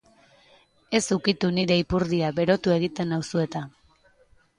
Ez ukitu nire ipurdia berotu egiten nauzu eta.